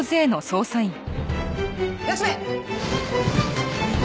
休め！